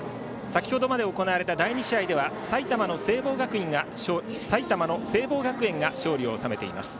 先程まで行われた第２試合では埼玉の聖望学園が勝利を収めています。